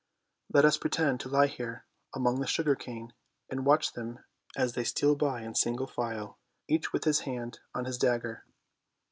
Let us pretend to lie here among the sugar cane and watch them as they steal by in single file, each with his hand on his dagger.